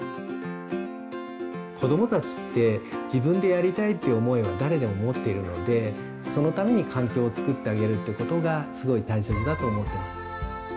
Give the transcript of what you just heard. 子どもたちって「自分で」やりたいっていう思いは誰でも持っているのでそのために環境を作ってあげるってことがすごい大切だと思ってます。